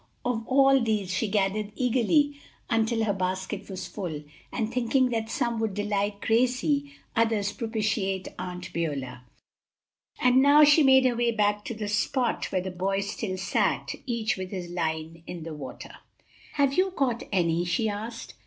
Of all these she gathered eagerly until her basket was full, thinking that some would delight Gracie, others propitiate Aunt Beulah. And now she made her way back to the spot where the boys still sat, each with his line in the water. "Have you caught any?" she asked.